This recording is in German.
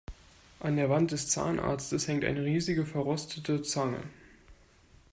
An der Wand des Zahnarztes hängt eine riesige, verrostete Zange.